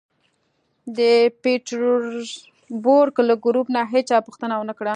د پېټرزبورګ له ګروپ نه هېچا پوښتنه و نه کړه